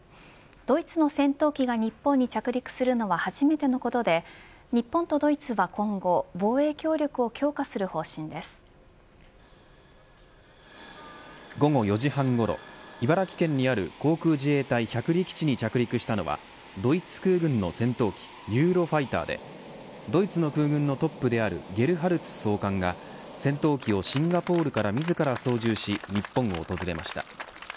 ドイツの戦闘機が日本に着陸するのは初めてのことで日本とドイツは今後午後４時半ごろ茨城県にある航空自衛隊百里基地に着陸したのはドイツ空軍の戦闘機ユーロファイターでドイツの空軍のトップであるゲルハルツ総監が戦闘機をシンガポールから自ら操縦し日本を訪れました。